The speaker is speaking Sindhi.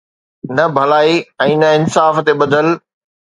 نه ڀلائي ۽ نه انصاف تي ٻڌل.